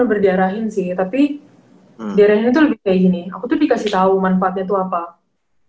berdarahin tuh lebih kayak gini aku tuh dikasih tau manfaatnya tuh apa